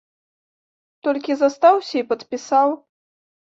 Толькі застаўся і падпісаў.